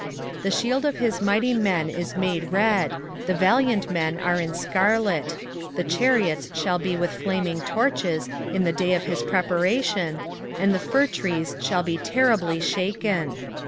2:3 The shield of his mighty men is made red, the valiant men are in scarlet: the chariots shall be with flaming torches in the day of his preparation, and the fir trees shall be terribly shaken.